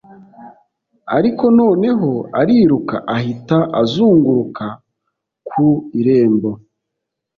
ariko noneho ariruka ahita azunguruka ku irembo